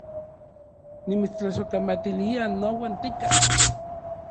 Nimitstlasojkamatilia nouan tika